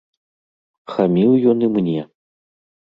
Хаміў ён і мне.